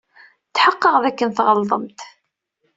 Tḥeqqeɣ dakken tɣelḍemt.